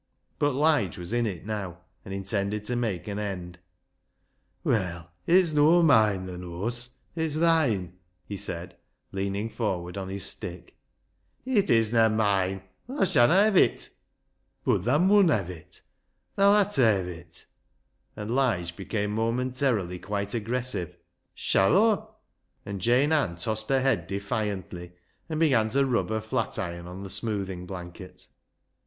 But Lige was in it now, and intended to make an end. " Well, it's no' moine, thaa knows ; it's thoine," he said, leaning forward on his stick. " It isna moine, an' Aw shanna hev it." " Bud thaa vtun hev it ; thaa'll ha ta hev it," and Lige became rnomentarily quite aggressive. LIGE'S LEGACY 201 " Shall Aw ?" And Jane Ann tossed her head defiantly, and began to rub her flat iron on the smoothing blanket.